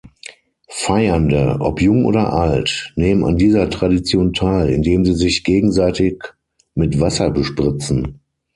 Feiernde, ob jung oder alt, nehmen an dieser Tradition teil, indem sie sich gegenseitig mit Wasser bespritzen.